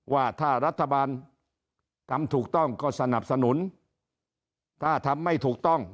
ว่าถ้ารัฐบาลทำถูกต้องก็สนับสนุนถ้าทำไม่ถูกต้อง